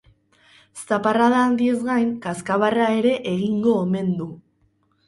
Zaparrada handiez gain, kazkabarra ere egingo omen du.